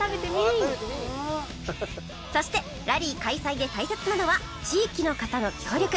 そしてラリー開催で大切なのは地域の方の協力